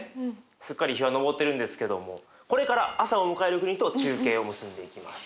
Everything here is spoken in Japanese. すっかり日は昇ってるんですけどもこれから朝を迎える国と中継を結んでいきます。